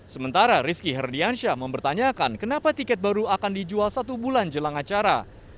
sementara rizky herdiansyah mempertanyakan kenapa tiket baru akan dijual satu bulan jelang acara